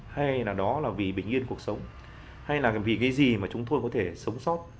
hay là đó là vì bình yên cuộc sống hay là vì cái gì mà chúng tôi có thể sống sót